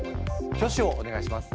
挙手をお願いします。